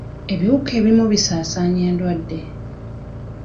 Ebiwuka ebimu bisaasaanya endwadde.